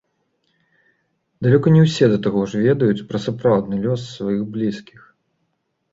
Далёка не ўсе да таго ж ведаюць пра сапраўдны лёс сваіх блізкіх.